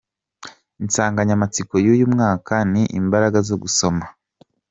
Insanganyamatsiko y’uyu mwaka ni “Imbaraga zo gusoma”.